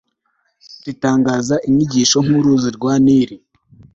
ritangaza inyigisho nk'uruzi rwa nili